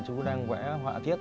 chú đang vẽ họa tiết